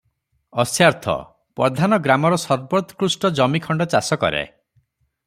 ଅସ୍ୟାର୍ଥ -ପଧାନ ଗ୍ରାମର ସର୍ବୋତ୍କୃଷ୍ଟ ଜମିଖଣ୍ତ ଚାଷ କରେ ।